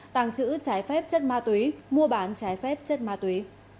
tàng trữ trái phép chất ma túy mua bán trái phép chất ma túy